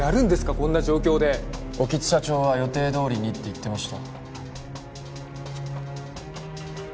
こんな状況で興津社長は予定どおりにって言ってました